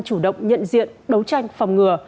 chủ động nhận diện đấu tranh phòng ngừa